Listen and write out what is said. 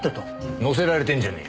のせられてんじゃねえよ。